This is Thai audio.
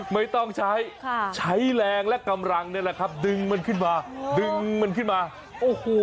ไม่ต้องใช้ใช้แรงและกำลังดึงมันขึ้นมาโอ้โห